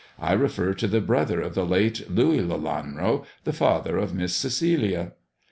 I refer to the brother of the late Louis Lelanro, the father of Miss Celia."